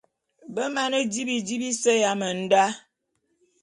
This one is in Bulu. Be mane di bidi bise ya menda.